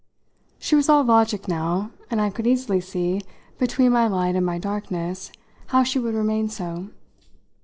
She was all logic now, and I could easily see, between my light and my darkness, how she would remain so.